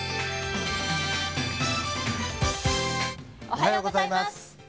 おはようございます。